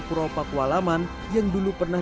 purwopakualaman yang dulu pernah